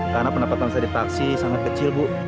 karena pendapatan saya di taksi sangat kecil bu